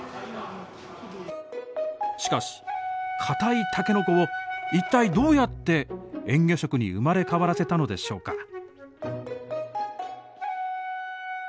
しかしかたいタケノコを一体どうやってえん下食に生まれ変わらせたのでしょうか？